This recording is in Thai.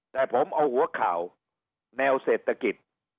แต่ผมเอาหัวข่าวแนวเศรษฐกิจ